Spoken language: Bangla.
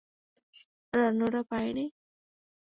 আর অন্যরা পারেনি?